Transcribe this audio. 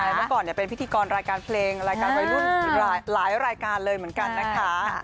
เมื่อก่อนเป็นพิธีกรรายการเพลงรายการวัยรุ่นหลายรายการเลยเหมือนกันนะคะ